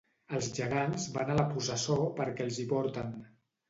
Els gegants van a la processó perquè els hi porten.